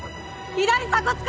左鎖骨下